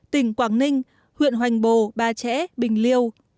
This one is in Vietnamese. tỉnh quảng ninh huyện hoành bồ ba trẻ bình liêu